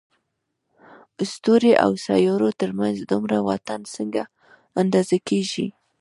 ستورو او سيارو تر منځ دومره واټن څنګه اندازه کېږي؟